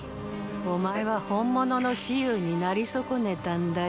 お前は本物の蚩尤になり損ねたんだよ